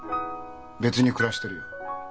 別に暮らしてるよ。